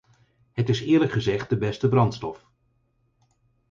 Het is eerlijk gezegd de beste brandstof.